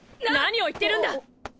何を言ってるんだ！